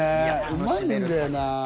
うまいんだよな。